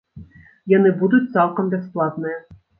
Яны будуць цалкам бясплатныя.